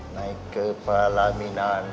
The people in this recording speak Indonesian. naik kepala minah nanti